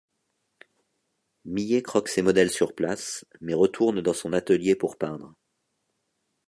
Millet croque ses modèles sur place, mais retourne dans son atelier pour peindre.